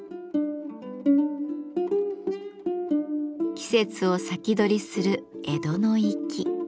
季節を先取りする江戸の粋。